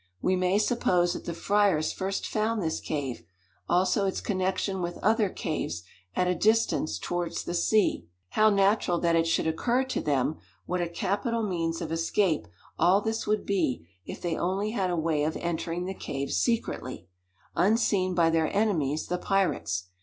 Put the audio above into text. We may suppose that the friars first found this cave; also its connection with other caves, at a distance, towards the sea. How natural that it should occur to them what a capital means of escape all this would be if they only had a way of entering the cave secretly unseen by their enemies the pirates.